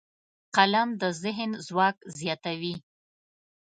قلم د ذهن ځواک زیاتوي